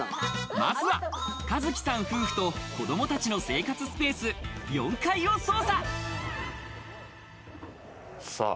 まずは、一騎さん夫婦と、子供たちの生活スペース、４階を捜査。